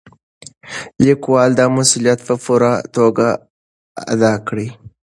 لیکوال دا مسؤلیت په پوره توګه ادا کړی.